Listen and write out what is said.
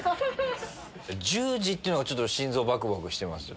１０時っていうのが心臓バクバクしてますよ。